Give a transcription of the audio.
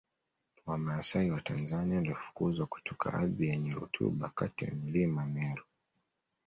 Wamasai wa Tanzania walifukuzwa kutoka ardhi yenye rutuba kati ya Mlima Meru